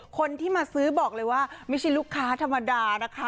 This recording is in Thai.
คนที่มาซื้อบอกเลยว่าไม่ใช่ลูกค้าธรรมดานะคะ